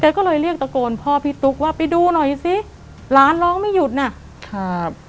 ก็เลยเรียกตะโกนพ่อพี่ตุ๊กว่าไปดูหน่อยสิหลานร้องไม่หยุดน่ะครับ